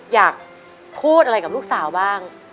อยากพูดอะไรกับลูกสาวบ้าง